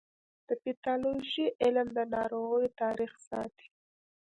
د پیتالوژي علم د ناروغیو تاریخ ساتي.